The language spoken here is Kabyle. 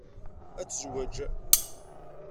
Ad tezwej.